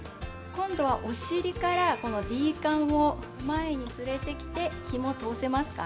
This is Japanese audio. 今度はお尻からＤカンを前に連れてきてひも通せますか？